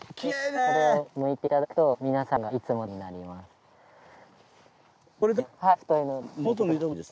これをむいていただくと皆さんがいつも食べてる白ネギになります。